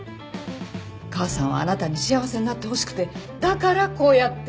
母さんはあなたに幸せになってほしくてだからこうやって。